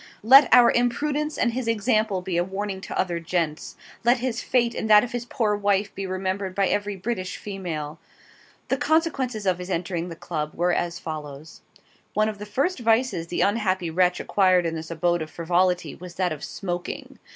Let our imprudence and his example be a warning to other gents; let his fate and that of his poor wife be remembered by every British female. The consequences of his entering the Club were as follows: One of the first vices the unhappy wretch acquired in this abode of frivolity was that of SMOKING.